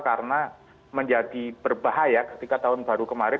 karena menjadi berbahaya ketika tahun baru kemarin